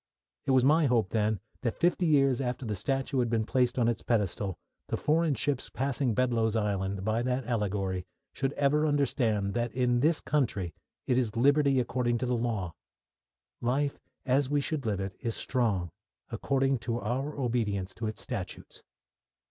It was my hope then that fifty years after the statue had been placed on its pedestal the foreign ships passing Bedloe's Island, by that allegory, should ever understand that in this country it is liberty according to law. Life, as we should live it, is strong, according to our obedience of its statutes.